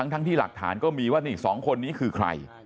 ทั้งที่หลักฐานก็มีว่านี่๒คนนี้คือใคร